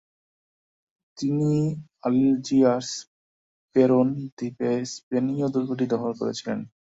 তিনি আলজিয়ার্স পেরোন দ্বীপে স্পেনীয় দূর্গটি দখল করেছিলেন।